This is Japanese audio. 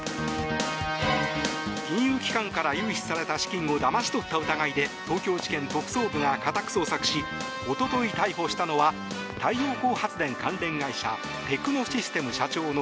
金融機関から融資された資金をだまし取った疑いで東京地検特捜部が家宅捜索しおととい逮捕したのは太陽光発電関連会社テクノシステム社長の